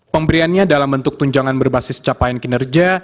pemberiannya dalam bentuk tunjangan berbasis capaian kinerja